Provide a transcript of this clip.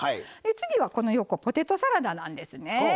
次は、ポテトサラダなんですね。